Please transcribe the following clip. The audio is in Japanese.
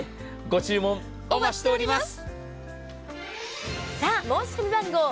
ご注文、お待ちしております！